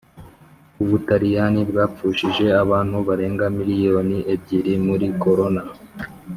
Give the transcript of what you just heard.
Ubutaliyani bwapfushije abantu barega miliyoni ebyiri muri korona